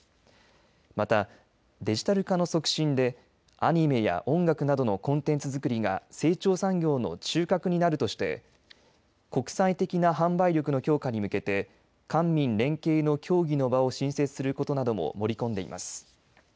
また、デジタル化の促進でアニメや音楽などのコンテンツづくりが成長産業の中核になるとして国際的な販売力の強化に向けて官民連携の協議の場を新設することなども盛り込んでいます。